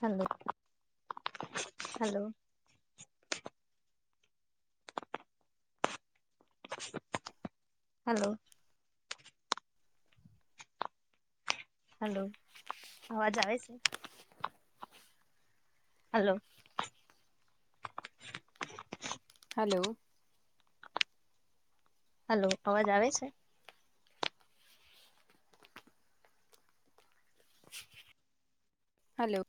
Hello hello hello hello અવાજ આવે છે હલો હાલો હાલો અવાજ આવે છે? હાલો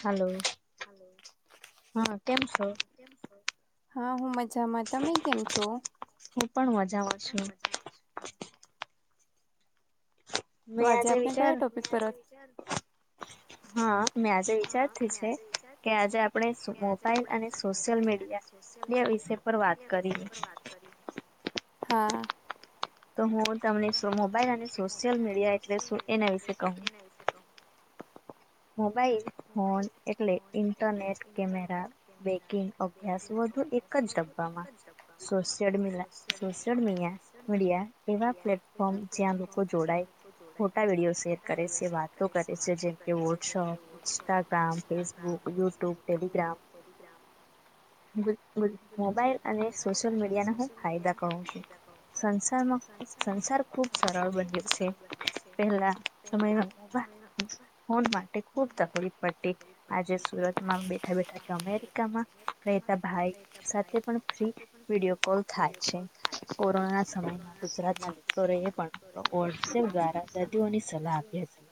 હલો હા કેમ છો હા હું મજામાં તમે કેમ છો મેં આજ વિચારુ હા મેં આજે વિચારતી છે કે આજે આપણે મોબાઈલ અને સોશિયલ મીડિયા એ વિશે એ વિષય પર વાત કરીશું [inaudible] હા. તો હું તમને શું મોબાઈલ અને સોશિયલ મીડિયા એટલે શું એના વિશે કહું મોબાઈલ ફોન એટલે ઇન્ટરનેટ કેમેરા બેકિંગ અભ્યાસ બધુ એક જ ડબ્બામાં. સોશિયલ [unintelligible] સોશિયલ મીડિયા એવા પ્લેટફોર્મ જ્યાં લોકો જોડાય ખોટા વિડીયો શેર કરે છે વાતો કરે છે જેમકે WhatsApp Instagram Facebook YouTube Telegram mobile અને સોશિયલ મીડિયા ના હું ફાયદા કહું છું સંસારમાં સંસાર ખુબ સરળ બન્યો છે પેલા સમયમાં ફોન માટે ખુબ તકલીફ પડતી. આજે સુરતમાં બેઠા બેઠા કે અમેરિકામાં રહેતા ભાઈ સાથે પણ ફ્રી વિડીયો કોલ થાય છે કોરોના ના સમયમાં ગુજરાત ના [unintelligible] પણ વોટ્સએપ દ્વારા દર્દીઓની સલાહ આપી હતી.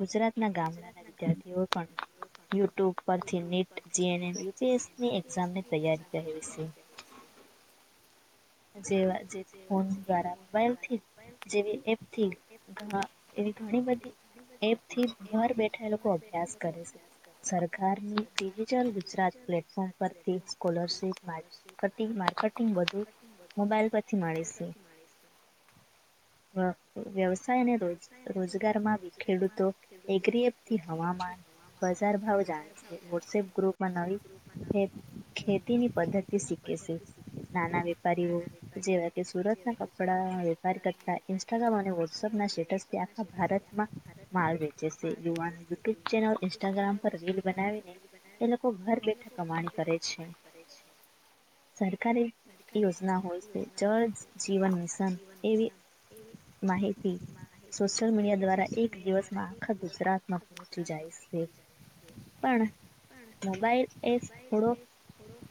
ગુજરાત ના ગામડાના વિદ્યાર્થીઓ પણ યુટ્યુબ પરથી નીટ જીએન ની એક્ઝામની તૈયારી કરવી સે. જે ફોન દ્વારા મોબાઈલથી જેવી એપથી ઘણા એવી ઘણી બધી એથી ઘર બેઠા એ લોકો અભ્યાસ કરે છે. સરકારની ડિજિટલ ગુજરાત પ્લેટફોર્મ પરથી સ્લરશીપ માટે કટિંગ [unintelligible] વધુ મોબાઈલ પરથી મળે સે વ્યવસાય અને રોજ રોજગારમાં ખેડૂતો [unintelligible] હવામાન બજાર ભાવ જાણશે વોટ્સએપ ગ્રુપમાં નવી ખેતીની પદ્ધતિ શીખે સે નાના વે વેારીઓ જેવા કે સુરત ના કપડા વેપાર કરતા. ઇન્સ્ટાગ્રામ અને વોટસઅપ ના સ્ટેટસ થી આખા ભારતમાં માલ વેચે છે યુવાનો. યુટ્યુબ ચેનલ ઇન્સ્ટાગ્રામ પર રીલ બનાવીને એ લોકો ઘર બેઠા કમાણી કરે છે. સરકારારે. યોજના હોય છે જળ જીવન મિશન એવી માહિતી સોશિયલ મીડિયા દ્વારા એક દિવસમાં આખા ગુજરાતમાં પહોંચી જાય છે. પણ મોબાઈલ એ થોડો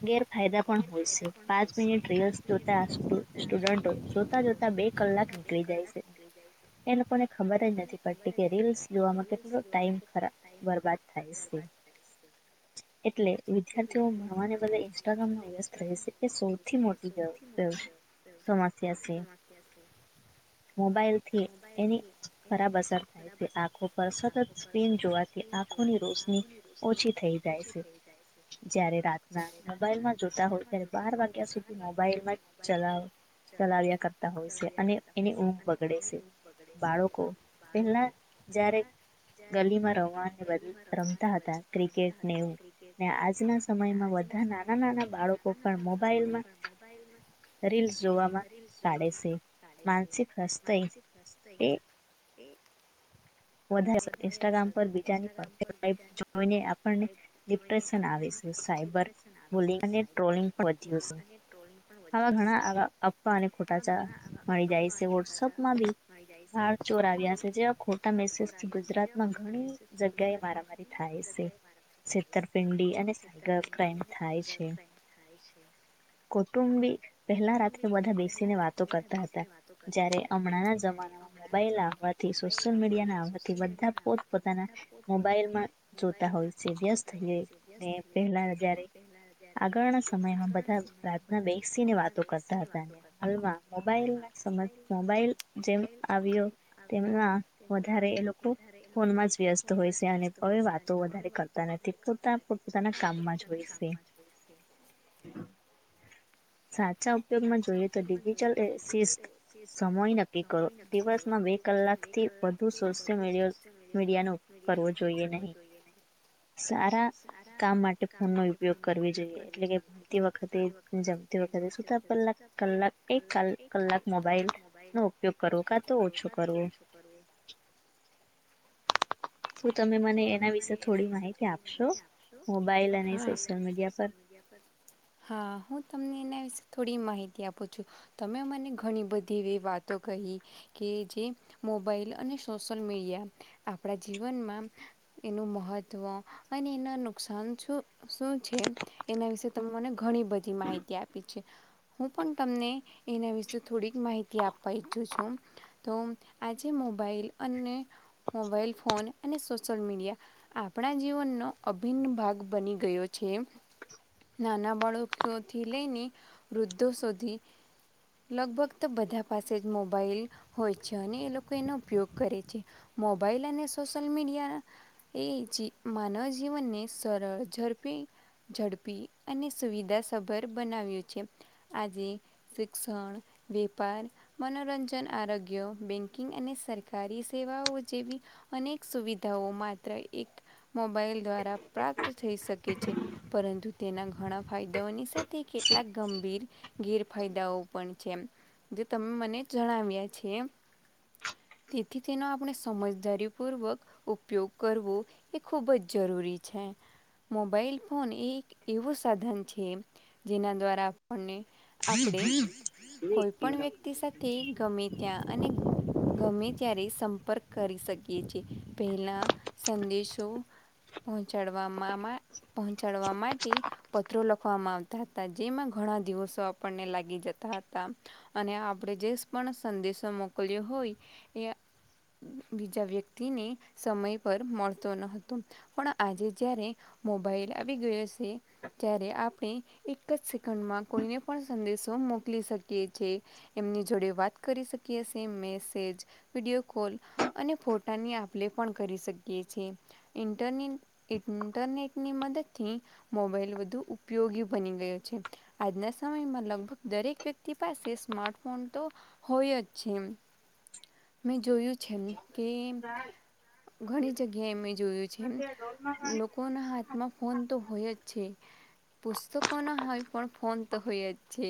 ગેરફાયદા પણ હોય છે પાંચ મિનિટ રિલસ જોતા સ્ટુડન્ટો જોતા જોતા બે કલાક નીકળી જાય છે. એ લોકોને ખબર જ નથી પડતી કે રીલ્સ જોવાવામાં કેટલો ટાઈમ ખરાબ બરબાદ થાય છે એટલે વિદ્યાર્થીઓ માણવાને બધ ઇન્સ્ટાગ્રામમાં વ્યસ્ત રહે છે કે મોટી સમસ્યા છે. મોબાઈલથી એની ખરાબ અસર થાય છે આંખો પર સતત સ્ક્રીન જોવા. ન જોવાથી આંખોની રોશની ઓછી થઈ જાય છે. જયારે રાતના મોબાઈલમાં જોતા હોય ત્યારે બાર વાગ્યા સુધી મોબાઈલમાં જ ચલાવ ચલાવ્યા કરતા હોય છે અને એની ઊંઘ બગડે છે બાળકો પેલા જારે ગલીમાં રમવાને બ રમતા હતા. ક્રિકેટ ને એવું ને આજના સમયમાં બધા નાના નાના બાળકો પણ મો બાઈલમાં રીલસ જોવામાં રિલશ જોવા મા કાઢે છે માનસિક નષ તે વધ ઇન્સ્ટાગ્રામ પર બીજાફ જોઈને આપને ડિપ્રેશન આવે છે. સાબલ અને ટ્રોલિંગ વધ્યું આવા ઘણા ને ખોટા મળી જાય છે વોટ્સઅપમાં બી બાર ચોર આવ્યા છે જે મેસેજથી ગુજરાત માં ઘણી જગ્યા એ મારામારી થાય છે છેતરપિંડી છેતરપિંડી અનેર ક્રાઈમ થે છે. કુટુંબી પહેલા રાત્રે બધા બેસીને વાતો કરતા હતા જ્યારે હમણાં ના જમાનામાં મોબાઈલ આવડથી શ લ મીડિયાથી બધા પો પોતાના મોબાઈલમાં જોતા હોય છે વ્યથ પહેલા જયારે આગળના સમયમાં બધા પ્રાર્થના બેસી ને વાતો કરતા હતા ને હાલમાં મોબાઈલ ના સમ મોબાઈલ જેમ આવ્યો તેમના વધારે એ લોકો ફોનમાં જ વ્યસ્ત હોય છે અને હવે વાતો વધારે કરતા નથી પરતા પોતાના કામમાં જોય છે સાચા ઉપયોગમાં જોઈએ તો ડિજિટલ એિ સમય નક્કી કરો દિવસમાં બે કલાક થી વધુ સોશિયલ મીડિયા નો ઉપયોગ કરવો જોઈએ નહીં સારા કામ માટે ફોન નો ઉપયોગ કરવી જોઈએ એટલે કે ભણતી વખતે જમતી વખતે કલાક કલાક એક કલાક મોબાઈલ નો ઉપયોગ કરવો કા તો ઓછો કરવું [unintelligible] શું તમે મને એના વિશે થોડી માહિતી આપશો મોબાઈલ અને સોશિયલ મીડિયા પર હા હું તમને એના વિશે થોડી માહિતી આપું છું તમે મને ઘણી બધી એવી વાતો કહી કે જે મોબાઈલ અને સોશિયલ મીડિયા આપડા જીવનમાં એનું મહત્ત્વ અને એના નુકસાન શું શું છે. એના વિશે તમે મને ઘણી બધી માહિતી આપી હું પણ તમને એના વિશે થોડીક માહિતી આપવા ઈચ્છું છું. તો આજે મોબાઈલ અને મોબાઈલ ફોન અને સોશિલ મીડિયા આપણા જીવનનો અભિન્ન ભાગ બની ગયો છે. નાના બાળકીથી લઈને વૃદ્ધો શોધી લગભગ તો બધા પાસે જ મોબાઈલ હોય છે અને એ લોકો એનો ઉપયોગ કરે છે. મોબાઈલ અને સોશિયલ મીડિયા એ માનવ જીવન ને સરળ ઝડપી ઝડપી અને સુવિધા સભર બનાવ્યું છે આજે રકસણ વ્યાપાર મનોરંજન આરોગ્ય બેંકિંગ અને સરકારી સેવાઓ જેવી. અનેક સુવિધાઓ માત્ર એક મોબાઈલ દ્વારા પ્રાપ્ત થઈ શકે છે પરંતુ તેના ઘણા ફાયદાઓની સાથે કે. કેટલાક ગંભીર ગેરફાયદાઓ પણ છે જે તમે મને જણાવ્યા છે એમ. તેથી તેનો આપણે સમજદારીપૂર્વક ઉપયોગ કરવો એ ખૂબ જ જરૂરી છે. મોબાઈલ ફોન એક એવું સાધન છે જેના દ્વારા આપણને આપણે કોઈ પણણ વ્યક્તિ સાથે ગમે ત્યાં અને ગમે ત્યારે સંપર્ક કરી શકીએ છેએ પહેલા સંદેશો પહોંચાડવામાં પહોંચાડવા માટે પત્રો લખવામાં આવતા હતા જેમાં ઘણા દિવસો આપણને લાગી જતા હતા અને આપણે જે પણ સંદેશો મોકલ્યો હોય એ બીજા વ્યક્તિને સમય પર મળતો ન હતો પણ આજે જારે મોબાઈલ આવી ગયો છે ત્યારે આપણે એક જ સેકન્ડમાં કોઈને પણ સંદેશો મોકલી શકીએ છીએ એમની જોડે વાત કરી શકીએ મેસેજ વિડીયો કોલ અને ફોટાની આપણે પણ કરી શકીએ છીએ ઇન્ટરનેટ ઇન્ટરનેટની મદદ થી મોબાઈલ વધુ ઉપયોગી બની ગયો છે આજના સમયમાં લગભગ દરેક વ્યક્તિ પાસે સ્માર્ટફોન તો હો જ છે [inaudible] મેં જોયું છે કે ઘણી જગ્યાએ મે જોયું છે લોકો ના હાથમાં ફોન તો હોય જ છે. તો કો હ ફ ફોન તો હો જ છે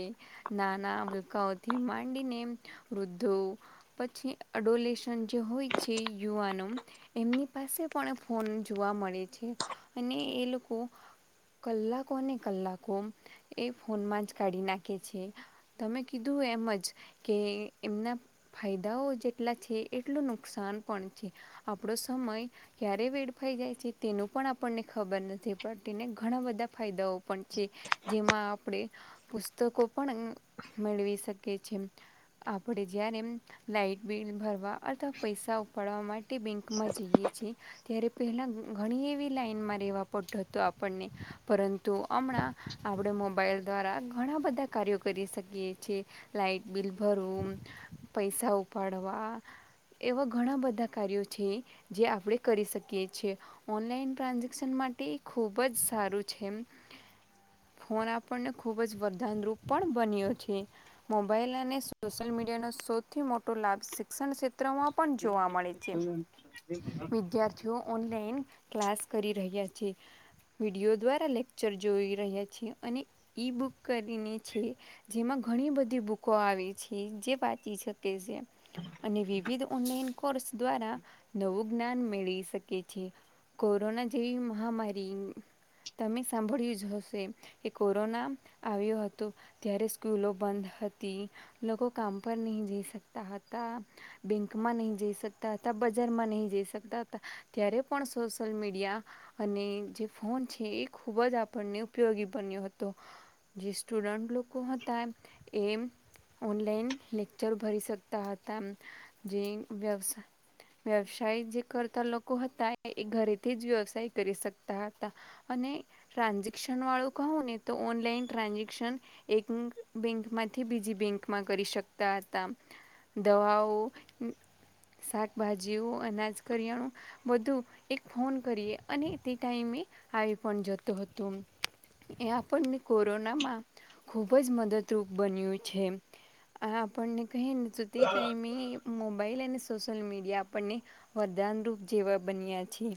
નાના મુલકાઓથી માંડીને વૃદ્ધો પછી અડોલેશન જે હોય છે યુવાનો એમની પાસે પણ ફોન જોવા મળે છે અને એ લોકો કલાકોને કલાકો એ ફોનમાં જ કાઢી નાખે છે તમે કીધું એમજ કે એમના ફાયદાઓ જેટલા છે એટલું નુકસાન પણ છે આપણો સમય ક્યારે વેડફાઈ જાય છે તેનું પણ આપણને ખબર નથી પણ તેને ઘણા બધા ફાયદાઓ પણ છે જેમાં આપણે પુસ્તકો પણ મેળવી શકીએ કે છે આપણે જ્યારે એમ લાાઈટ બિલ ભરવા અથવા પૈસા પાડવા માટે બેંકમાં જઈએ છ છીએ ત્યારે પહેલાં ઘણી એવી લાઈઇનમાં રહેવા પટ હતો આપણને પરંતુ હમણાં આપણે મોબાઈલ દ્વારા ઘણા બધા કાર્યો કરી શકીએ છીએ. લાઇટ બિલ ભરવું પૈસા ઉપાડવા એવા ઘણા બધા કાર્યો છે જે આપણે કરી શકીએ છીએ. ઓનલાઈન ટ્રાન્ઝેક્શન માટે ખુબ જ સારું છે ફોન આપણને ખૂબ જ વરદાનરૂપ પણ બન્યો છે. મોબાઈલ અને સોશિયલ મીડિયાનો સૌથી મોટો લાભ શિક્ષણ ક્ષેત્ર મિત્ર મા પણ જોવા મળે છે વિધાથી ઓનલાઈન ક્લાસ કરી રહ્યા છે વિડીયો દ્વારા ચર જોઈ રહ્યા છીએ અને ઈ બુક કરીને છે. જેમાં ઘણી બધી બુકો આવે છે જે વાંચી શકે છે. અને વિવિધ ઓનલાઈન કોર્સ દ્વારા નવું જ્ઞાન મેળવી શકીએ છે. કોરોના જેવી મહામારી, તમે સ સાંભળ્યું જ હશે કે કોરોના આવ્યો હતો ત્યારે સ્કૂલો બંધ હતી, લોકો કામ પર નહીં જઈ શકતા હતા. બેંકમાં નહીં જઈ શકતા હતા, બજારમાં નહીં જઈ શકતા હતા, ત્યારે પણ સોશલ મીડિયા અને જે ફોન છે એ ખુબ જ આપણને ઉપયોગી બન્યો હતો. જે સ્ટુડન્ટ લોકો હતા, એમ ઓનલાઈન લેક્ચર ભરી શકતા હતા, જે વ્યવસા વ્યવસાય જે કરતા લોકો હતા, એ-એ ઘરેથી જ વ્યવસાય કરી શકતા હતા. અને ટ્રાન્ઝેક્શન વાળું કહો ને, તો ઓનલાઈન ટ્રાન્ઝેક્શન એક બેંકમાંથી બીજી બેંકમાં કરી શકતા હતા. દવાઓ, શાકભાજીઓ, અનાજ, કરિયાણું બધું એક ફોન કરીએ અને તે ટાાઈમે આવી પણ જત તો હતું એ આપણને કોરોનામાં ખૂબ જ મદદરૂપ બન્યું છે. આ આપણને કહી ને તો તે ટાઈમે મોબાઈલ અને સોશિયલ મીડિયા આપણને વરદાનરૂપ જેવા બન્યા છે.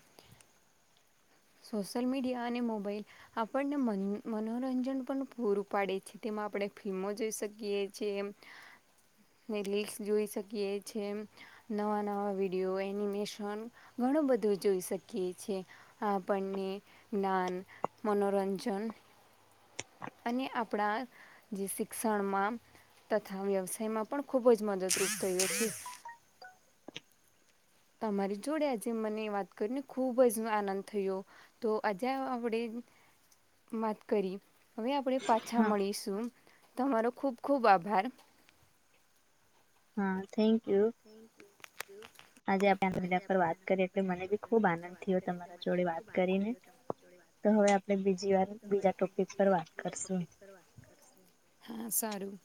સોશલ મીડિયા અને મોબાઈલ આપણને મન મનોરંજન પણ પૂરું પાડે છે. તેમાં આપણે ફિલ્મો જોઈ શકીએ છીએ [inaudible] ને લીક્સ જોઈ શકીએ છે. નવા-નવા વિડીયો, એનિમેશન ઘણું બધું જોઈ શકીએ છે. આપણને જ્ઞાન, મનોરંજન અને આપણા જે શિક્ષણમાં તથા વ્યવસાયમાં પણ ખુબ જ મદદરૂપ થઈ હતી. તમારી જોડે આજે મને વાત કરીને ખુબ જ આનંદ થયો. તો આજે આપણેે વાત કરી. હવે આપણે પાછા મળીશું. તમારો ખૂબ-ખૂબ આભાર. હા થેન્ક યુ. આજે આપણે [unintelligible] પર વાત કર એટલે મને બી ખુબ આનંદ થયો તમારા જોડે વાત કરીને, તો હવે આપણે બીજી વાર બીજા ટોપિક પર વાત કરશું. હા, સારું.